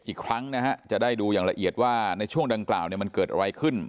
อีกครั้งนะฮะจะได้ดูอย่างละเอียดว่าในช่วงดังกล่าวมันเกิดอะไรขึ้น